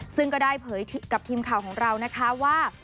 ซึ่งก็ได้เผยกับทีมข่าวของเรานะคะว่า